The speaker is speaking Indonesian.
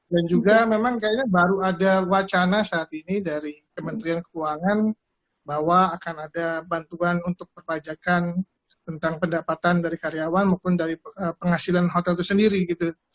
dan juga memang kayaknya baru ada wacana saat ini dari kementerian keuangan bahwa akan ada bantuan untuk perpajakan tentang pendapatan dari karyawan maupun dari penghasilan hotel itu sendiri gitu